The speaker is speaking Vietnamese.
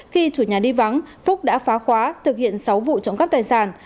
khi chủ nhà đi vắng phúc đã phá khóa thực hiện sáu vụ trộm cắp tài sản